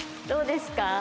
どうですか？